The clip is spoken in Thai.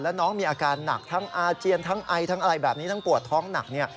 แล้วน้องมีอาการหนักทั้งอาเจียนทั้งไอทั้งปวดท้องหนัก